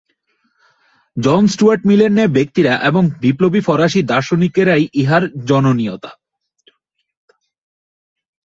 জন Stuart মিলের ন্যায় ব্যক্তিরা এবং বিপ্লবী ফরাসী দার্শনিকরাই ইহার জনয়িতা।